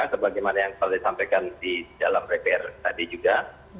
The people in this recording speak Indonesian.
sebagai yang saya sampaikan di dalam repair tadi juga